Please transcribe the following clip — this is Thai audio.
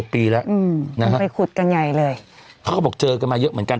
๔๖ปีแล้วนะฮะเขาบอกเจอกันมาเยอะเหมือนกัน